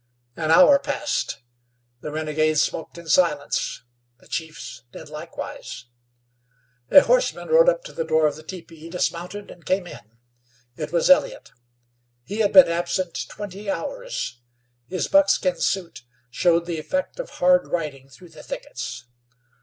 An hour passed; the renegade smoked in silence; the chiefs did likewise. A horseman rode up to the door of the teepee, dismounted, and came in. It was Elliott. He had been absent twenty hours. His buckskin suit showed the effect of hard riding through the thickets.